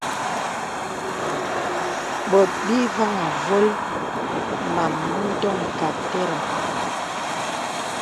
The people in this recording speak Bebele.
Bòt bì vàŋhī āvōl màm mə ndòm kà àterəŋ.